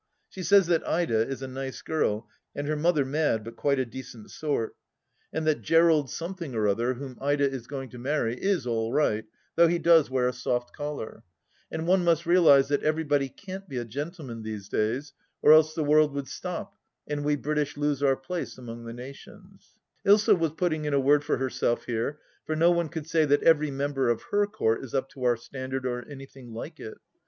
She says that Ida is a nice girl, and her mother mad, but quite a decent sort ; and that Gerald Something or THE LAST DITCH 61 other, whom Ida is going to marry, is all right, though he does wear a soft collar — and one must realize that everybody can't be a gentleman these days, or else the world would stop and we British lose our place among the nations, Ilsa was putting in a word for herself here, for no one could say that every member of her court is up to our standard, or anything like it.